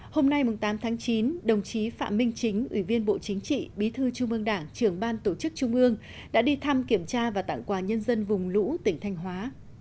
hôm nay tám tháng chín đồng chí phạm minh chính ủy viên bộ chính trị bí thư trung ương đảng trưởng ban tổ chức trung ương đã đi thăm kiểm tra và tặng quà nhân dân vùng lũ tỉnh thanh hóa